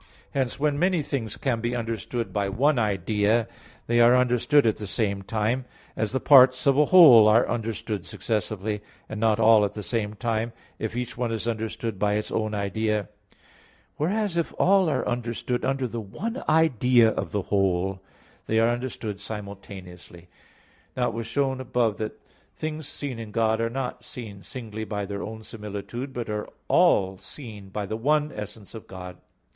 Hence, when many things can be understood by one idea, they are understood at the same time; as the parts of a whole are understood successively, and not all at the same time, if each one is understood by its own idea; whereas if all are understood under the one idea of the whole, they are understood simultaneously. Now it was shown above that things seen in God, are not seen singly by their own similitude; but all are seen by the one essence of God.